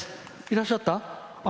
いらっしゃった？